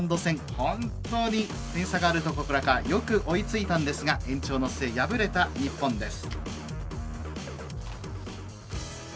本当に点差があるところからよく追いついたんですが延長の末、敗れた日本です。